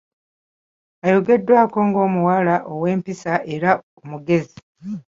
Ayogeddwako ng’omuwala ow’empisa era omugezi .